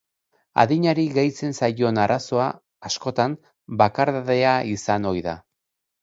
Adinari gehitzen zaion arazoa, askotan, bakardadea izan ohi da.